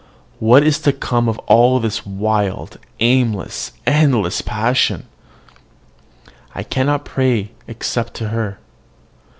What is to come of all this wild, aimless, endless passion? I cannot pray except to her.